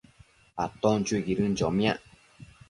aton chuiquidën chomiac